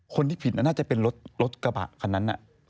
คนที่ผิดน่าจะเป็นรถกระปะคันนั้นนะ